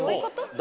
誰？